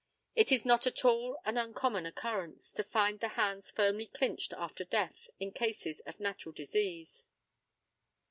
It is not at all an uncommon occurrence to find the hands firmly clinched after death in cases of natural disease.